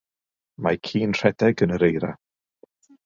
Mae ci'n rhedeg yn yr eira.